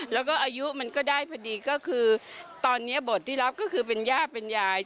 แล้วก็อายุมันก็ได้พอดีก็คือตอนนี้บทที่รับก็คือเป็นย่าเป็นยาย